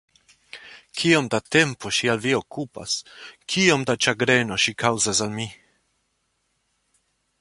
Kiom da tempo ŝi al vi okupas, kiom da ĉagreno ŝi kaŭzas al mi!